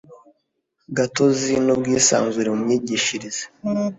gatozi n ubwisanzure mu myigishirize